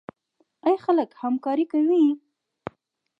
آیا خلک همکاري کوي؟